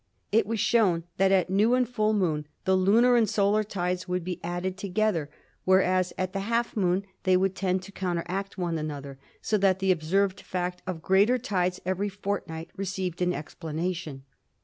It was shown that at new and full moon the lunar and solar tides would be added together, whereas at the half moon they would tend to counteract one another, so that the observed fact of greater tides every fortnight received an explanation.